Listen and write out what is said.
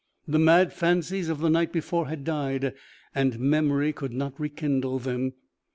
The mad fancies of the night before had died and memory could not rekindle them.